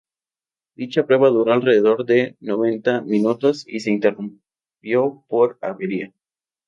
Dicha prueba duró alrededor de noventa minutos y se interrumpió por avería.